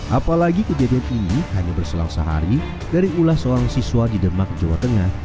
apalagi kejadian ini hanya berselang sehari dari ulah seorang siswa di demak jawa tengah